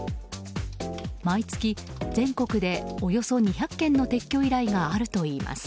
毎月、全国でおよそ２００件の撤去依頼があるといいます。